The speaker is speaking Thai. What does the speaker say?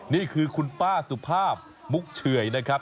นี่คือคุณป้าสุภาพมุกเฉื่อยนะครับ